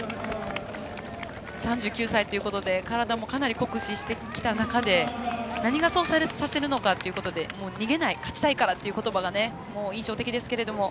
３９歳ということで体もかなり酷使してきた中で何がそうさせるのかということで逃げない、勝ちたいからということばが印象的ですけど。